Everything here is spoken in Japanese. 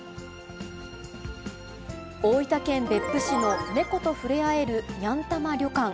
大分県別府市の猫と触れ合えるにゃん玉旅館。